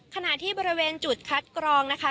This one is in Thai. ขณะที่บริเวณจุดคัดกรองนะคะ